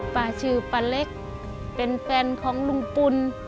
ป้าชื่อป้าเล็กเป็นแฟนของลุงปุ่น